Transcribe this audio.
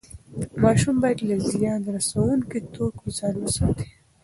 ماشوم باید له زیان رسوونکي توکیو ځان وساتي.